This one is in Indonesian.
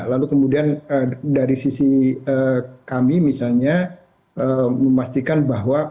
lalu kemudian dari sisi kami misalnya memastikan bahwa upaya penanganan lalu kemudian juga upaya tindak lanjutnya ini dipastikan juga harus dilaksanakan